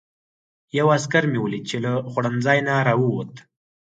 یو عسکر مې ولید چې له خوړنځای نه راووت.